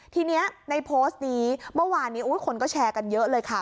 ทีนี้ในโพสต์นี้เมื่อวานนี้คนก็แชร์กันเยอะเลยค่ะ